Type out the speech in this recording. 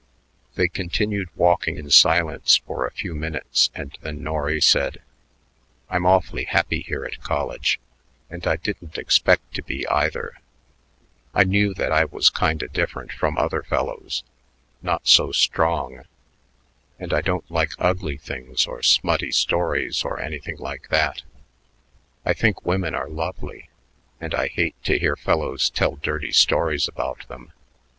They continued walking in silence for a few minutes, and then Norry said: "I'm awfully happy here at college, and I didn't expect to be, either. I knew that I was kinda different from other fellows, not so strong; and I don't like ugly things or smutty stories or anything like that. I think women are lovely, and I hate to hear fellows tell dirty stories about them.